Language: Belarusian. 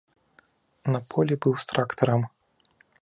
На полі быў з трактарам.